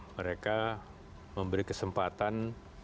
mereka memberi kesempatan